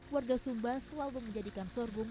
warga sumba selalu menjadikan sorghum